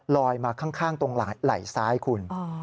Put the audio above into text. มาข้างตรงไหล่ซ้ายคุณ